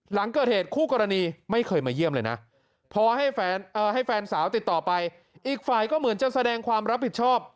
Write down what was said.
หลังเกิดเหตุคู่กรณีไม่เคยมาเยี่ยมเลยนะพอให้แฟนสาวติดต่อไปอีกฝ่ายก็เหมือนจะแสดงความรับผิดชอบ